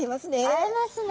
会えますね！